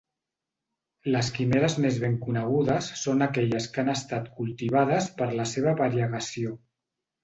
Les quimeres més ben conegudes són aquelles que han estat cultivades per la seva variegació.